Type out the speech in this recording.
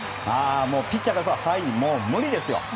ピッチャーがもう無理ですよ。